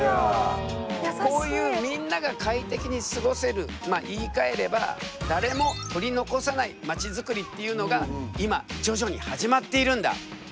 こういうみんなが快適に過ごせるまあ言いかえれば誰も取り残さない街づくりっていうのが今徐々に始まっているんだ。